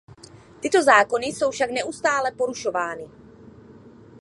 Tyto zákony jsou však neustále porušovány.